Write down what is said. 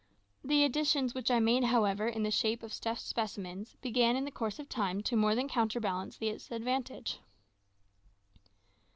The additions which I made, however, in the shape of stuffed specimens, began in the course of time to more than counterbalance this advantage.